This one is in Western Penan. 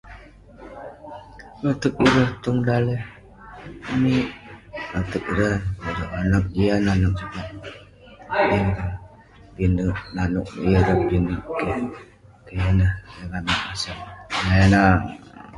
Ateq ireh tong daleh amik, ateq ireh, ireh anaq jian, anaq sukat [unintelligible] pinek naneuk. [unintelligible]